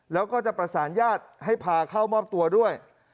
แล้วก็จะประสานญาติให้พาเข้ามอบตัวด้วย